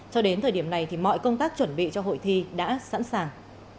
cho đến thời điểm này thì mọi công tác chuẩn bị cho hội thi đã sẵn sàng